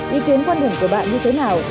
ý kiến quan hệ của bạn như thế nào